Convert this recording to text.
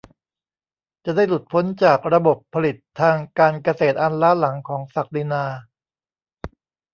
จะได้หลุดพ้นจากระบบผลิตทางการเกษตรอันล้าหลังของศักดินา